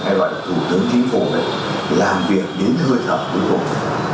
hay là thủ tướng chính phủ làm việc đến hơi thở cuối cùng